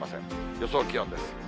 予想気温です。